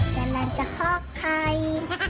กำลังจะหอบใคร